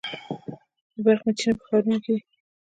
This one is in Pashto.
د برق میچنې په ښارونو کې دي.